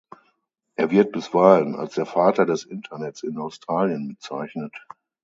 Er wird bisweilen als der „Vater des Internets in Australien“ bezeichnet.